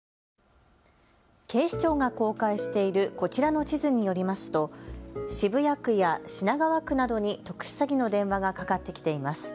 警視庁が公開しているこちらの地図によりますと渋谷区や品川区などに特殊詐欺の電話がかかってきています。